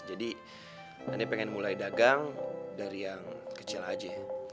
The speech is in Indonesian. jadi aneh pengen mulai dagang dari yang kecil aja